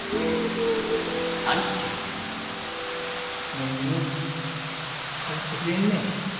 めぐみ帰ってくれんね。